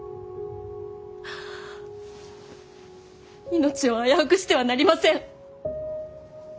命を危うくしてはなりません。